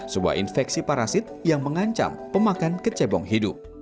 sebuah infeksi parasit yang mengancam pemakan kecebong hidup